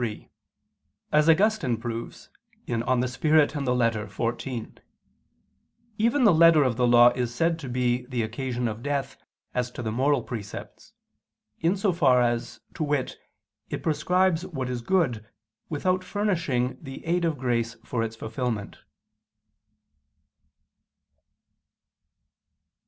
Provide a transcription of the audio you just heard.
3: As Augustine proves (De Spiritu et Litera xiv), even the letter of the law is said to be the occasion of death, as to the moral precepts; in so far as, to wit, it prescribes what is good, without furnishing the aid of grace for its fulfilment.